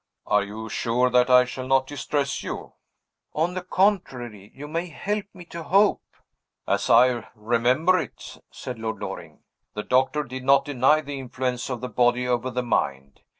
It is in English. "Are you sure that I shall not distress you?" "On the contrary, you may help me to hope." "As I remember it," said Lord Loring, "the doctor did not deny the influence of the body over the mind.